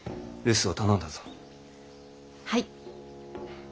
はい。